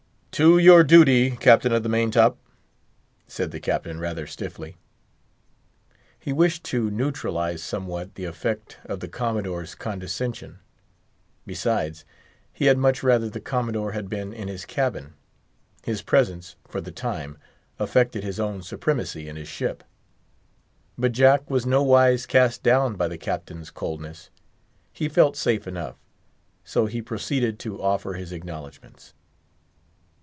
"To your duty, captain of the main top!" said the Captain, rather stiffly. He wished to neutralise somewhat the effect of the Commodore's condescension. Besides, he had much rather the Commodore had been in his cabin. His presence, for the time, affected his own supremacy in his ship. But Jack was nowise cast down by the Captain's coldness; he felt safe enough; so he proceeded to offer his acknowledgments.